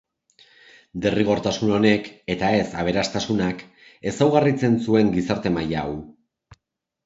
Derrigortasun honek, eta ez aberastasunak, ezaugarritzen zuen gizarte maila hau.